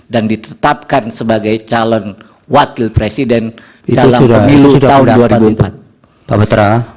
dan ditetapkan sebagai calon wakil presiden dalam pemilu tahun dua ribu empat